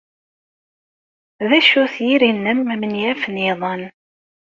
D acu-t yiri-nnem amenyaf n yiḍan?